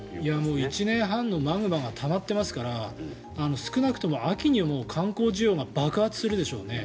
１年半のマグマがたまっていますから少なくとも秋に観光需要が爆発するでしょうね。